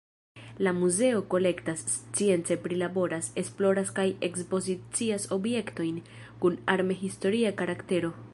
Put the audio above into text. La muzeo kolektas, science prilaboras, esploras kaj ekspozicias objektojn kun arme-historia karaktero.